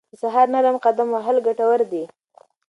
د سهار نرم قدم وهل ګټور دي.